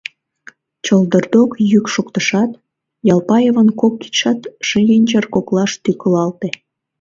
Чылдырдок йӱк шоктышат, Ялпаевын кок кидшат шинчыр коклаш тӱкылалте.